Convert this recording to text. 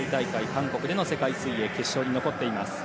韓国での世界水泳決勝に残っています。